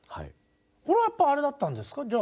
これはやっぱりあれだったんですか